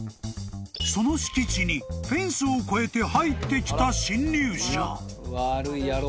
［その敷地にフェンスを越えて入ってきた侵入者］